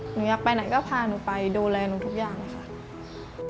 หนูอยากไปไหนก็พาหนูไปดูแลหนูทุกอย่างค่ะ